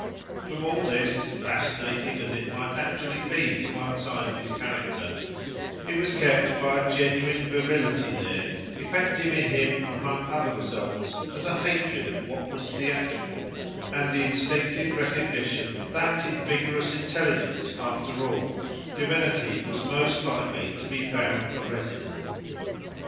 From all this, fascinating as it might actually be to one side of his character, he was kept by a genuine virility there, effective in him, among other results, as a hatred of what was theatrical, and the instinctive recognition that in vigorous intelligence, after all, divinity was most likely to be found a resident.